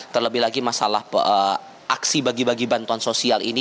terlebih lagi masalah aksi bagi bagi bantuan sosial ini